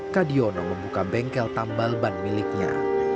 kadiono membuka bengkel tambal ban miliknya